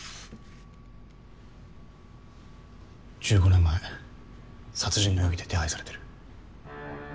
１５年前殺人の容疑で手配されてる。